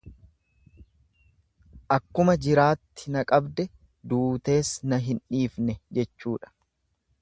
Akkuma jiraatti na qabde duutees na hin dhiifne jechuudha.